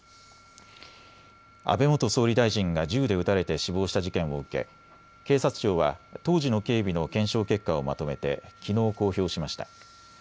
安倍元総理大臣が銃で撃たれて死亡した事件を受け、警察庁は当時の警備の検証結果をまとめてきのう、公表しました。